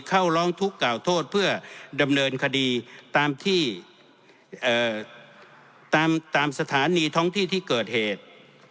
เข้าร้องทุกข์กล่าวโทษเพื่อดำเนินคดีตามที่ตามสถานีท้องที่ที่เกิดเหตุ